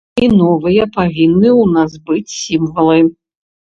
І новыя павінны ў нас быць сімвалы.